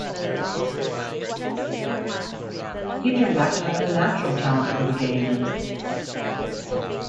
He turned out to have a natural talent for the game.